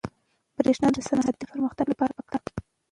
برېښنا د صنعتي پرمختګ لپاره پکار ده.